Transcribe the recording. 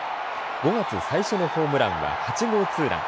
５月最初のホームランは８号ツーラン。